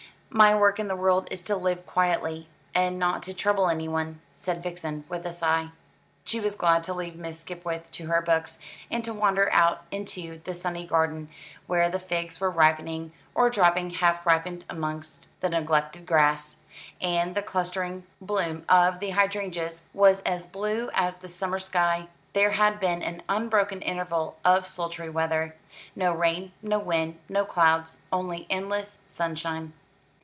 "My work in the world is to live quietly, and not to trouble anyone," said Vixen, with a sigh. She was glad to leave Miss Skipwith to her books, and to wander out into the sunny garden, where the figs were ripening or dropping half ripened amongst the neglected grass, and the clustering bloom of the hydrangeas was as blue as the summer sky. There had been an unbroken interval of sultry weather no rain, no wind, no clouds only endless sunshine.